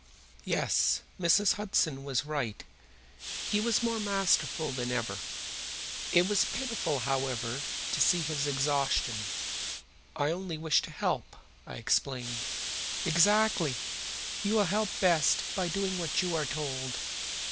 Yes, Mrs. Hudson was right. He was more masterful than ever. It was pitiful, however, to see his exhaustion. "I only wished to help," I explained. "Exactly! You will help best by doing what you are told."